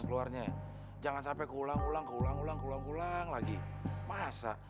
keluarnya jangan sampai keulang ulang keulang ulang keulang ulang lagi masa